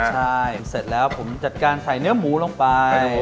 ใช่เสร็จแล้วผมจัดการใส่เนื้อหมูลงไป